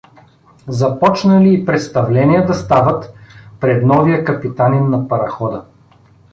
Започнали и представления да стават пред новия капитанин на парахода.